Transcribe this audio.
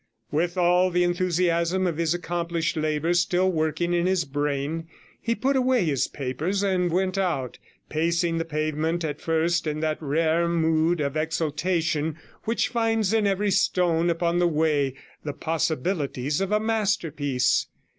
With all the enthusiasm of his accomplished labour still working in his brain, he put away his papers and went out, pacing the pavement at first in that rare mood of exultation which finds in every stone upon the way the possibilities of a masterpiece.